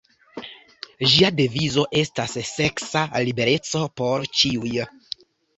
Ĝia devizo estas "seksa libereco por ĉiuj".